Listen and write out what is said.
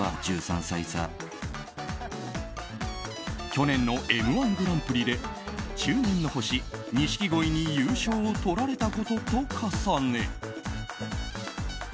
去年の「Ｍ‐１グランプリ」で中年の星、錦鯉に優勝をとられたことと重ね。